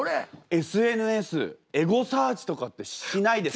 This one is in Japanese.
ＳＮＳエゴサーチとかってしないですか？